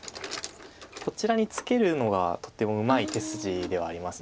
こちらにツケるのがとてもうまい手筋ではあります。